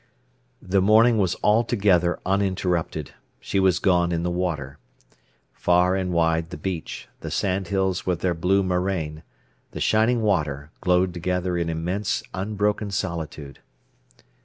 The morning was altogether uninterrupted: she was gone in the water. Far and wide the beach, the sandhills with their blue marrain, the shining water, glowed together in immense, unbroken solitude.